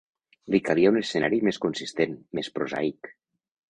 Li calia un escenari més consistent, més prosaic